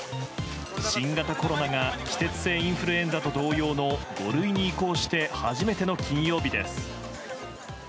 新型コロナが季節性インフルエンザと同様の５類に移行して初めての金曜日です。